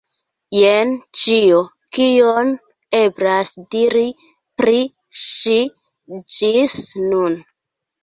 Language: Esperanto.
Jen ĉio, kion eblas diri pri ŝi ĝis nun.